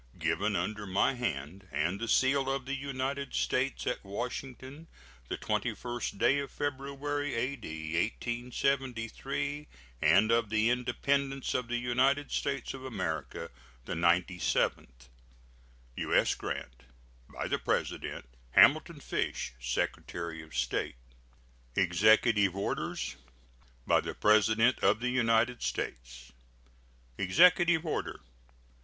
Given under my hand and the seal of the United States, at Washington, the 21st day of February, A.D. 1873, and of the Independence of the United States of America the ninety seventh. [SEAL.] U.S. GRANT. By the President: HAMILTON FISH, Secretary of State. EXECUTIVE ORDERS. BY THE PRESIDENT OF THE UNITED STATES. EXECUTIVE ORDER.